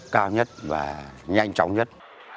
cao nhất và nhanh chóng nhất